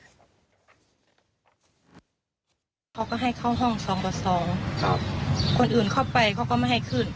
และที่สำคัญก็มีอาจารย์หญิงในอำเภอภูสิงอีกคนนึงมาทำพิธีแล้วถูกโดนลามแบบนี้อีกเหมือนกัน